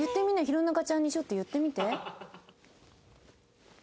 弘中ちゃんにちょっと言ってみて。